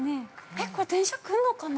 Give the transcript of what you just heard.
◆えっ、これ、電車来るのかな。